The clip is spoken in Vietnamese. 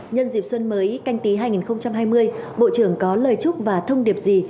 nhân dịp xuân mới canh tí hai nghìn hai mươi bộ trưởng có lời chúc và thông điệp gì